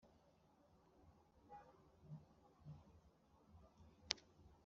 Rwa Nyilimbirima ndi intwali inkotanyi yamenye;